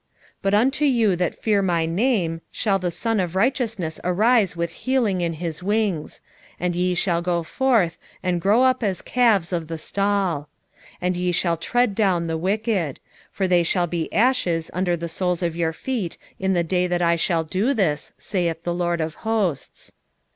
4:2 But unto you that fear my name shall the Sun of righteousness arise with healing in his wings; and ye shall go forth, and grow up as calves of the stall. 4:3 And ye shall tread down the wicked; for they shall be ashes under the soles of your feet in the day that I shall do this, saith the LORD of hosts.